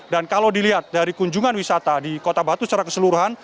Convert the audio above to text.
dan kalau dilihat dari kunjungan wisata di kota batu secara keseluruhan